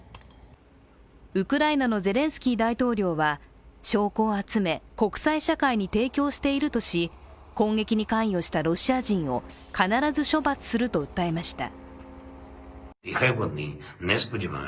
ウクライナのゼレンスキー大統領は、証拠を集め、国際社会に提供しているとし攻撃に関与したロシア人を必ず処罰すると訴えました。